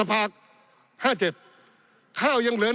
ปี๑เกณฑ์ทหารแสน๒